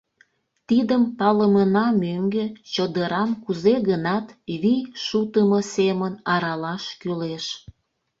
Тидым палымына мӧҥгӧ чодырам кузе-гынат вий шутымо семын аралаш кӱлеш.